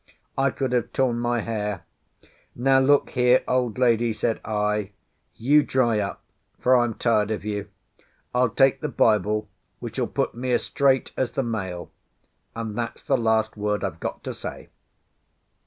I could have torn my hair. "Now look here, old lady," said I, "you dry up, for I'm tired of you. I'll take the Bible, which'll put me as straight as the mail, and that's the last word I've got to say."